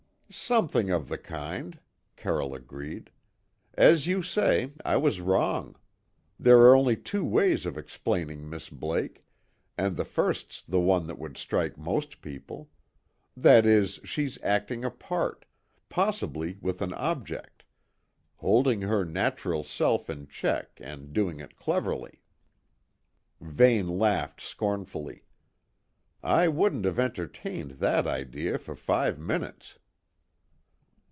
"Something of the kind," Carroll agreed. "As you say, I was wrong. There are only two ways of explaining Miss Blake, and the first's the one that would strike most people. That is, she's acting a part, possibly with an object; holding her natural self in check, and doing it cleverly." Vane laughed scornfully. "I wouldn't have entertained that idea for five minutes."